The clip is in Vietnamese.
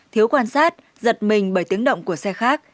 thiếu quan sát giật mình bởi tiếng động của xe khác